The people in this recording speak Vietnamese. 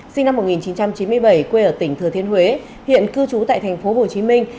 sinh năm một nghìn chín trăm chín mươi bảy quê ở tỉnh thừa thiên huế hiện cư trú tại thành phố hồ chí minh